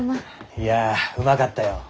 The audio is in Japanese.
いやうまかったよ。